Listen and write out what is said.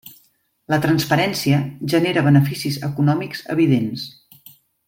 La transparència genera beneficis econòmics evidents.